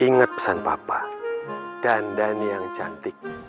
ingat pesan papa dan dhani yang cantik